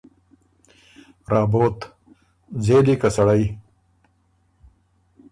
رابوت: ځېلی که سړئ